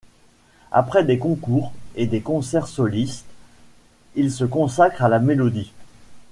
Après des concours et des concerts soliste, il se consacre à la mélodie.